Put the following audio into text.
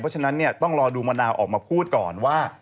เพราะฉะนั้นต้องรอดูมณาออกมาพูดก่อนว่า